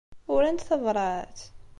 Urant tabṛat?